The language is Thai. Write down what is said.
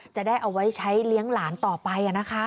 จะได้เอาไว้ใช้เลี้ยงหลานต่อไปนะคะ